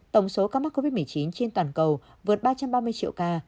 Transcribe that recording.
tổng số ca mắc covid một mươi chín trên toàn cầu vượt ba trăm ba mươi triệu ca